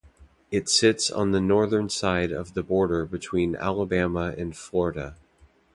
It sits on the northern side of the border between Alabama and Florida.